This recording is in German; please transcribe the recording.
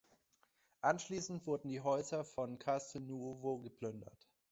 Anschließend wurden die Häuser von Castelnuovo geplündert.